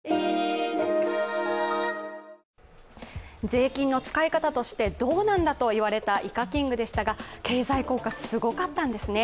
税金の使い方としてどうなんだと言われたイカキングでしたが経済効果、すごかったんですね。